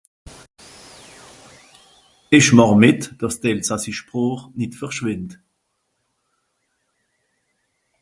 Ìch màch mìt, dàss d'elsassich Sprooch nìt verschwìndt.